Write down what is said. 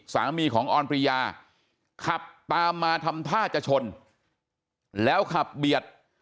สามีของออนปริยาขับตามมาทำท่าจะชนแล้วขับเบียด